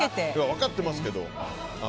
分かってますけど。